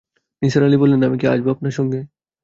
নিসার আলি বললেন, আমি কি আসব আপনার সঙ্গে?